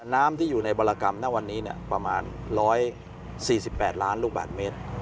น้ำที่อยู่ในบรกรรมณวันนี้ประมาณ๑๔๘ล้านลูกบาทเมตร